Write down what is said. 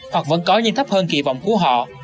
hoặc vẫn có nhưng thấp hơn kỳ vọng của họ